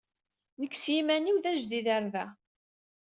Nekk s yiman-iw d ajdid ɣer da.